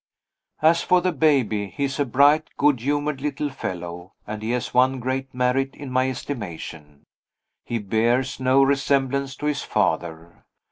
As for the baby, he is a bright, good humored little fellow; and he has one great merit in my estimation he bears no resemblance to his father.